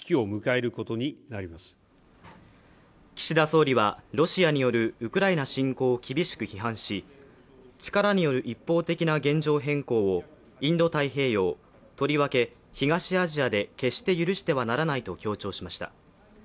岸田総理はロシアによるウクライナ侵攻を厳しく批判し、力による一方的な現状変更をインド太平洋、とりわけ東アジアで決して許してはならないと強調しました。